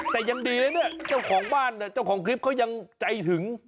แต่ยังดีนะเนี่ยเจ้าของบ้านเนี่ยเจ้าของคลิปเขายังใจหึง